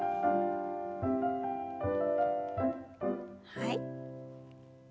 はい。